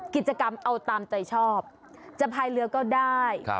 กิจกรรมเอาตามใจชอบจะพายเรือก็ได้